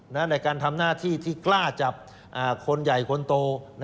ในการทำหน้าที่ที่กล้าจับคนใหญ่คนโต